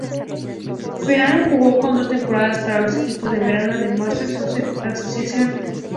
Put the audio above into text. Finlay jugó dos temporadas para los equipos de verano del Marshfield Soccer Association.